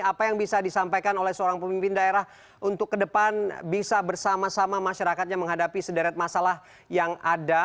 apa yang bisa disampaikan oleh seorang pemimpin daerah untuk ke depan bisa bersama sama masyarakatnya menghadapi sederet masalah yang ada